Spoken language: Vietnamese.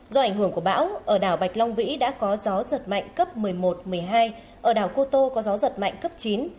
do ảnh hưởng của bão ở đảo bạch long vĩ đã có gió giật mạnh cấp một mươi một một mươi hai ở đảo cô tô có gió giật mạnh cấp chín